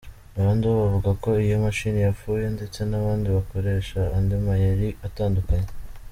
Abandi bo bavuga ko iyo mashini yapfuye, ndetse n’abandi bakoresha andi mayeri atandukanye.